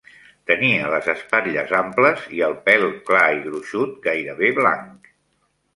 Tenia les espatlles amples i el pèl clar i gruixut, gairebé blanc.